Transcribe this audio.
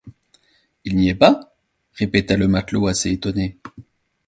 Il n’y est pas?... répéta le matelot assez étonné.